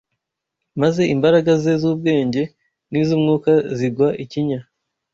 maze imbaraga ze z’ubwenge n’iz’umwuka zigwa ikinya